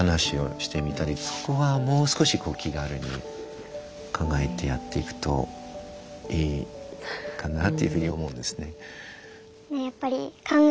そこはもう少しこう気軽に考えてやっていくといいかなというふうに思うんですね。